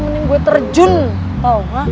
mending gue terjun tau nggak